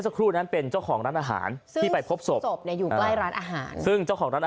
ซึ่งของร้านอาหารก็บ้านข้าง